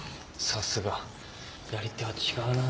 さすがやり手は違うな。